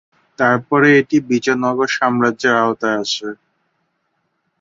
তারপরে এটি বিজয়নগর সাম্রাজ্যের আওতায় আসে।